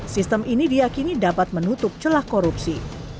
sistem ini diakini dapat menutup celah korupsi